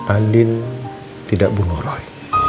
andin tidak bunuh roy